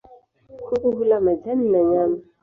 Kuku hula majani na nyama.